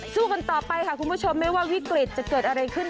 สู้กันต่อไปค่ะคุณผู้ชมไม่ว่าวิกฤตจะเกิดอะไรขึ้น